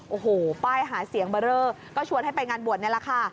โอ้โหป้ายหาเสียงเบอร์เรอก็ชวนให้ไปงานบวชนี่แหละค่ะ